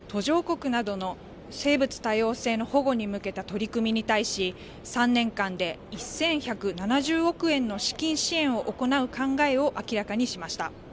このように述べたうえで、途上国などの生物多様性の保護に向けた取り組みに対し、３年間で１１７０億円の資金支援を行う考えを明らかにしました。